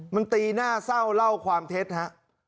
มันตีหน้าเศร้าเล่าความเท็จฮะ